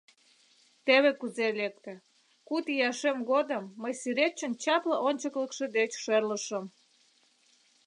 Теве кузе лекте: куд ияшем годым мый сӱретчын чапле ончыкылыкшо деч шӧрлышым.